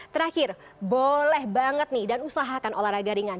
terakhir boleh banget nih dan usahakan olahraga ringan